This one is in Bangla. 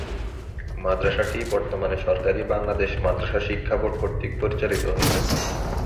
মাদ্রাসাটি বর্তমানে সরকারি বাংলাদেশ মাদ্রাসা শিক্ষা বোর্ড কতৃক পরিচালিত হয়ে থাকে।